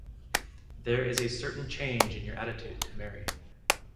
There is a certain change in your attitude to Mary.